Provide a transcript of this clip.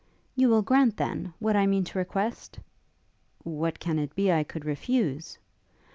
'You will grant, then, what I mean to request?' 'What can it be I could refuse?'